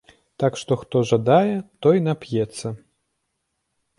Так што хто жадае, той нап'ецца.